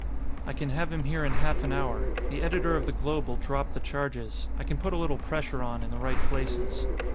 "I can have him here in half an hour. The editor of the Globe will drop the charges. I can put a little pressure on in the right places."